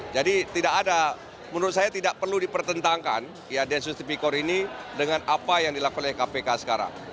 jadi tidak ada menurut saya tidak perlu dipertentangkan ya tendensus tipikor ini dengan apa yang dilakukan oleh kpk sekarang